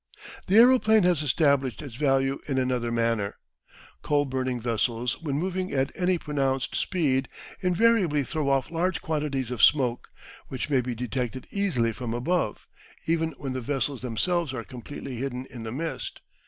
The aeroplane has established its value in another manner. Coal burning vessels when moving at any pronounced speed invariably throw off large quantities of smoke, which may be detected easily from above, even when the vessels themselves are completely hidden in the mist.